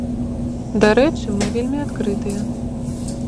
Дарэчы, мы вельмі адкрытыя.